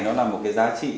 nó là một cái giá trị